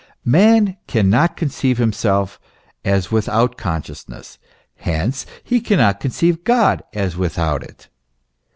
Man cannot conceive himself as without consciousness ; hence he cannot conceive God as without it.